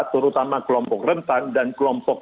terutama kelompok rentan dan kelompok